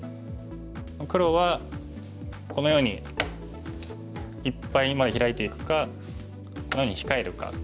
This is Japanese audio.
黒はこのようにいっぱいまでヒラいていくかこのように控えるか。